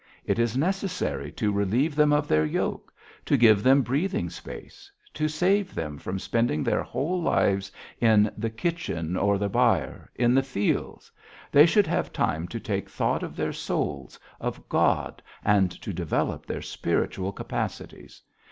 It is necessary to relieve them of their yoke, to give them breathing space, to save them from spending their whole lives in the kitchen or the byre, in the fields; they should have time to take thought of their souls, of God and to develop their spiritual capacities.